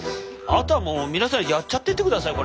あとはもう皆さんやっちゃっててください。